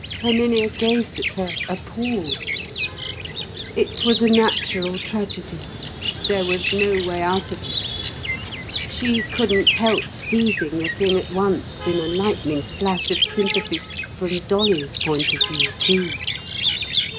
Herminia gazed at her appalled. It was a natural tragedy. There was no way out of it. She couldn't help seizing the thing at once, in a lightning flash of sympathy, from Dolly's point of view, too.